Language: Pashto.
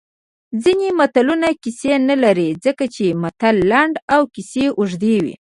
ځینې متلونه کیسې نه لري ځکه چې متل لنډ او کیسه اوږده وي